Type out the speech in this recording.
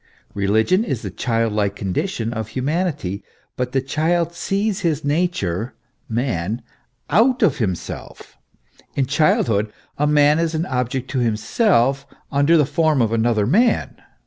Keligion is the childlike condition of humanity; but the child sees his nature man out of himself; in childhood a man is an object to himself, under the form of another man.